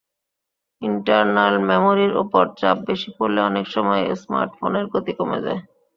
Internal মেমোরির ওপর চাপ বেশি পড়লে অনেক সময় স্মার্টফোনের গতি কমে যায়।